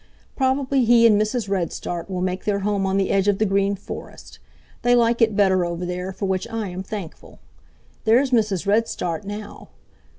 Probably he and Mrs. Redstart will make their home on the edge of the Green Forest. They like it better over there, for which I am thankful. There's Mrs Redstart now.